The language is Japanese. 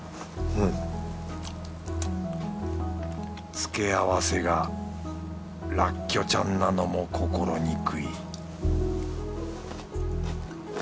付け合わせがらっきょちゃんなのも心憎い